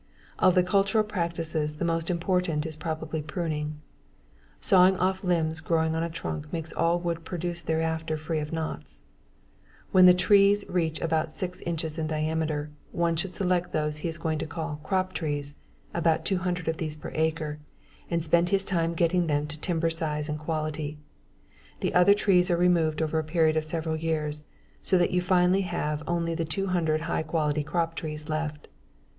Of the cultural practices, the most important is probably pruning. Sawing off the limbs growing on the trunk makes all wood produced thereafter free of knots. When the trees reach about six inches in diameter, one should select those he is going to call "crop trees" about 200 of these per acre and spend his time getting them to timber size and quality. The other trees are removed over a period of several years, so that you finally have only the 200 high quality crop trees left.